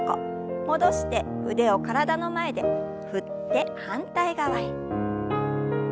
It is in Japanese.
戻して腕を体の前で振って反対側へ。